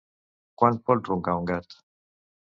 Quan pot roncar un gat?